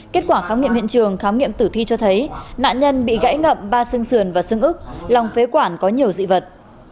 kết quả khám nghiệm hiện trường khám nghiệm tử thi cho thấy nạn nhân bị gãy ngậm ba xương sườn và xương ức lòng phế quản có nhiều dị vật